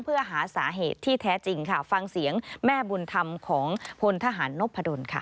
เพื่อหาสาเหตุที่แท้จริงค่ะฟังเสียงแม่บุญธรรมของพลทหารนพดลค่ะ